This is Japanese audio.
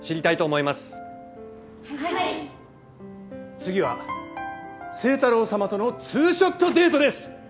次は清太郎様との２ショットデートです。